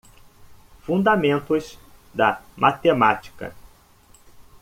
Fundamentos da matemática.